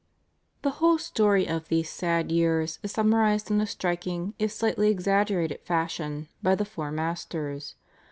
The whole story of these sad years is summarised in a striking if slightly exaggerated fashion by the Four Masters.